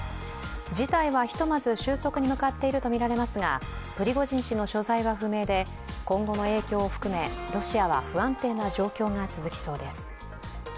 事態はひとまず収束に向かっているとみられますが、プリゴジン氏の所在は不明で今後の影響を含めロシアは不安定な状況が続きそうです。